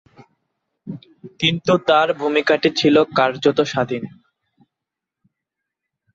কিন্তু তার ভূমিকাটি ছিল কার্যত স্বাধীন।